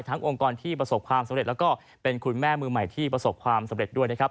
องค์กรที่ประสบความสำเร็จแล้วก็เป็นคุณแม่มือใหม่ที่ประสบความสำเร็จด้วยนะครับ